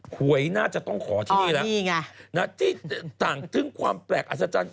กฎน่าจะต้องขอที่นี่ที่ต่างธึงความแปลกอาศัยจันทร์